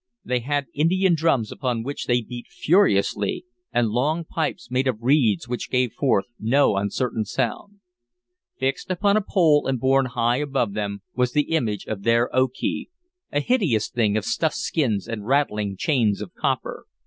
They had Indian drums upon which they beat furiously, and long pipes made of reeds which gave forth no uncertain sound. Fixed upon a pole and borne high above them was the image of their Okee, a hideous thing of stuffed skins and rattling chains of copper.